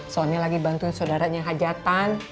soni lagi bantuin saudaranya hajatan